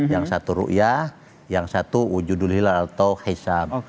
yang satu ru yah yang satu ujudul hilal atau hisam